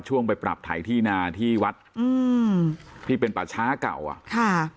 ช่วงไปปรับถ่ายที่นาที่วัดอืมที่เป็นปัชฌาเก่าอ่ะค่ะ